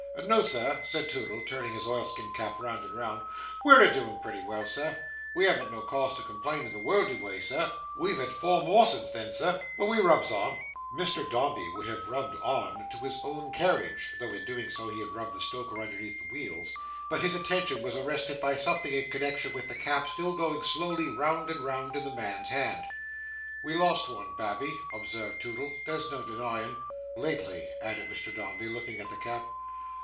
"No, Sir," said Toodle, turning his oilskin cap round and round; "we're a doin' pretty well, Sir; we haven't no cause to complain in the worldly way, Sir. We've had four more since then, Sir, but we rubs on." Mr Dombey would have rubbed on to his own carriage, though in so doing he had rubbed the stoker underneath the wheels; but his attention was arrested by something in connexion with the cap still going slowly round and round in the man's hand. "We lost one babby," observed Toodle, "there's no denyin'." "Lately," added Mr Dombey, looking at the cap.